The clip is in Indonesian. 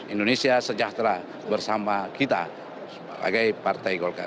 indonesia sejahtera bersama kita sebagai partai golkar